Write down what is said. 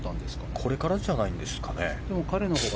これからじゃないですかね。